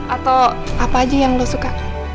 atau apa aja yang lo suka